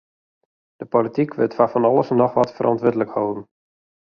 De polityk wurdt foar fan alles en noch wat ferantwurdlik holden.